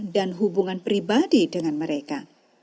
dan hubungan pribadi dengan mereka